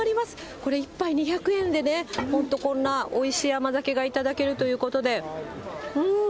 これ１杯２００円で本当こんなおいしい甘酒が頂けるということで。